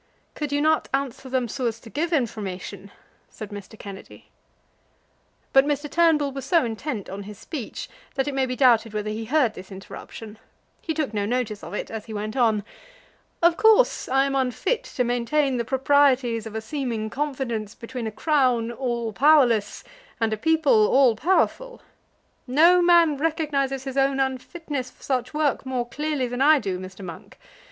"Could you not answer them so as to give information?" said Mr. Kennedy. But Mr. Turnbull was so intent on his speech that it may be doubted whether he heard this interruption. He took no notice of it as he went on. "Of course I am unfit to maintain the proprieties of a seeming confidence between a Crown all powerless and a people all powerful. No man recognises his own unfitness for such work more clearly than I do, Mr. Monk.